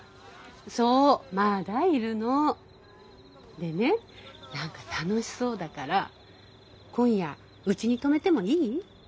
でね何か楽しそうだから今夜うちに泊めてもいい？